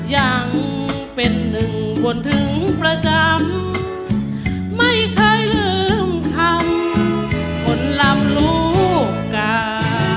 ยังเป็นหนึ่งคนถึงประจำไม่เคยลืมคำคนลำลูกกา